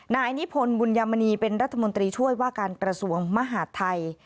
นายนิพนธ์บุญยามณีเป็นรัฐมนตรีช่วยว่าการกระทรวงมหาดไทย